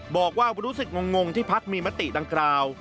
บอกว่ารู้สึกงงที่พักมีมติดังกล่าว